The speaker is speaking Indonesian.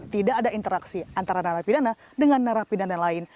tidak ada interaksi antara narapidana dengan narapidana lain